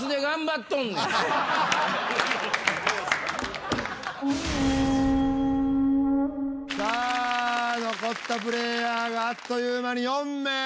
さあ残ったプレーヤーがあっという間に４名。